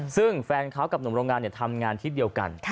ซึ่งแฟนเขากับหนุ่มโรงงานทำงานที่เดียวกัน